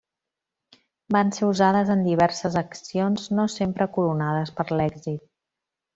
Van ser usades en diverses accions, no sempre coronades per l'èxit.